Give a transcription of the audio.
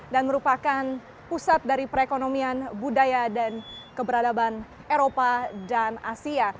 dan merupakan pusat dari perekonomian budaya dan keberadaban eropa dan asia